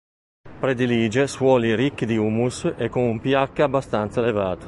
Predilige suoli ricchi di humus e con un pH abbastanza elevato.